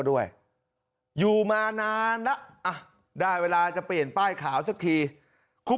ด้วยอยู่มานานแล้วอ่ะได้เวลาจะเปลี่ยนป้ายขาวสักทีคุณ